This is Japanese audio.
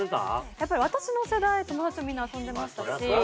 やっぱり私の世代友達もみんな遊んでましたし。